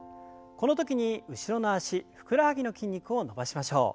この時に後ろの脚ふくらはぎの筋肉を伸ばしましょう。